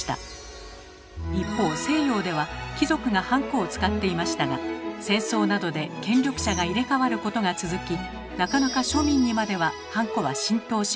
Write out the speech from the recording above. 一方西洋では貴族がハンコを使っていましたが戦争などで権力者が入れ替わることが続きなかなか庶民にまではハンコは浸透しませんでした。